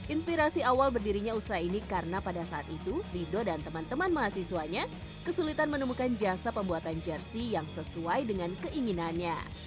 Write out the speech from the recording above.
inspirasi awal berdirinya usaha ini karena pada saat itu rido dan teman teman mahasiswanya kesulitan menemukan jasa pembuatan jersey yang sesuai dengan keinginannya